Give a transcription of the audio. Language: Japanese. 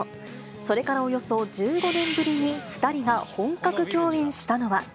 それからおよそ１５年ぶりに２人が本格共演したのは。